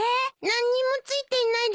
何にも付いてないですよ。